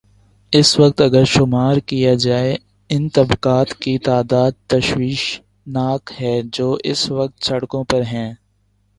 اس وقت اگر شمارکیا جائے، ان طبقات کی تعداد تشویش ناک ہے جو اس وقت سڑکوں پر ہیں۔